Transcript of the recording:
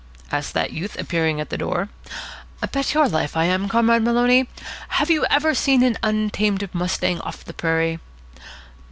asked that youth, appearing at the door. "Bet your life I am, Comrade Maloney. Have you ever seen an untamed mustang of the prairie?"